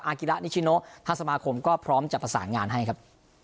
กิระนิชิโนทางสมาคมก็พร้อมจะประสานงานให้ครับ